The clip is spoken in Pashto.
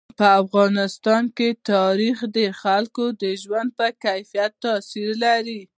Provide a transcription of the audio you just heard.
په افغانستان کې تاریخ د خلکو د ژوند په کیفیت تاثیر کوي.